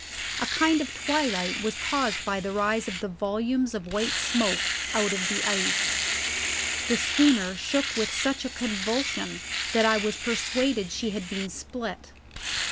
A kind of twilight was caused by the rise of the volumes of white smoke out of the ice. The schooner shook with such a convulsion that I was persuaded she had been split.